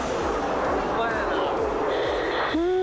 ホンマやな。